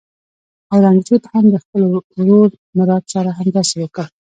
اورنګزېب هم د خپل ورور مراد سره همداسې وکړ.